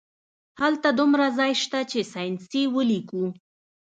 هلته دومره ځای شته چې ساینسي ولیکو